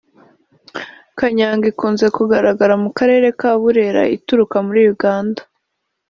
Kanyanga ikunze kugaragara mu karere ka Burera ituruka muri Uganda